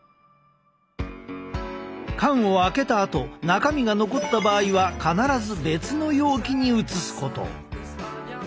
缶を開けたあと中身が残った場合は必ず別の容器に移すこと。